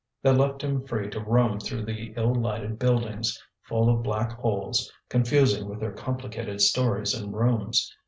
They left him free to roam through the ill lighted buildings, full of black holes, confusing with their complicated stories and rooms.